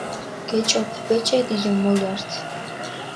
გეჭოფჷ ბეჭედი დო მოლართჷ.